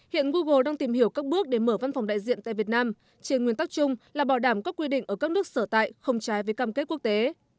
hiện google đang tìm hiểu các bước để mở văn phòng đại diện tại việt nam trên nguyên tắc chung là bảo đảm các quy định ở các nước sở tại không trái với cam kết quốc tế